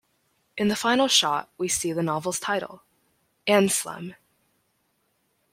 In the final shot, we see the novel's title: Anslem.